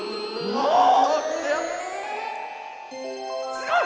すごい！